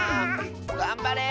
がんばれ！